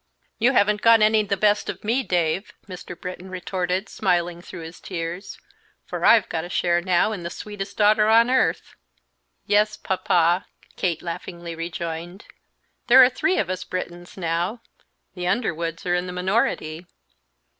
"You haven't got any the best of me, Dave," Mr. Britton retorted, smiling through his tears, "for I've got a share now in the sweetest daughter on earth!" "Yes, papa," Kate laughingly rejoined, "there are three of us Brittons now; the Underwoods are in the minority."